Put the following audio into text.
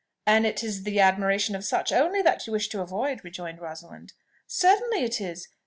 "And it is the admiration of such only that you wish to avoid?" rejoined Rosalind. "Certainly it is.